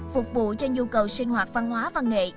phục vụ cho nhu cầu sinh hoạt văn hóa văn nghệ